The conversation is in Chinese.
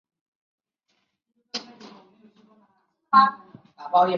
有些家族性高醛固酮症可用地塞米松进行治疗。